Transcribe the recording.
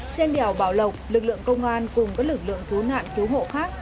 trên đèo bảo lộc lực lượng công an cùng các lực lượng cứu nạn cứu hộ khác